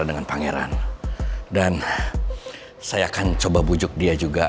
depan kamu apa maksud kamu